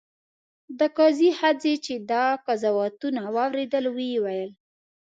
د قاضي ښځې چې دا قضاوتونه واورېدل ویې ویل.